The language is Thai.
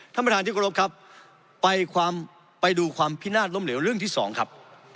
ท่านประธานที่กรบครับไปความไปดูความพินาศล้มเหลวเรื่องที่สองครับ